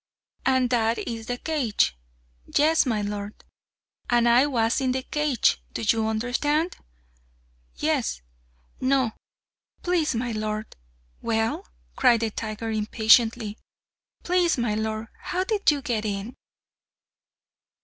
"And that is the cage " "Yes, my lord!" "And I was in the cage do you understand?" "Yes no Please, my lord " "Well?" cried the tiger impatiently. "Please, my lord! how did you get in?"